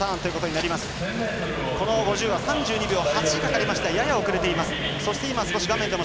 この５０は３２秒８かかってやや遅れています。